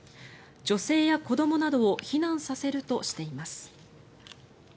女性や子どもなどを避難させるとしています。